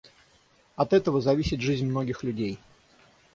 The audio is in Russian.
От этого зависит жизнь многих людей.